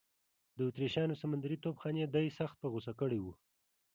د اتریشیانو سمندري توپخانې دی سخت په غوسه کړی و.